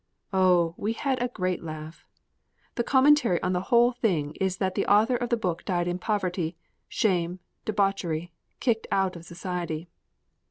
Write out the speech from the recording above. Oh, we had a great laugh! The commentary on the whole thing is that the author of that book died in poverty, shame, debauchery, kicked out of society.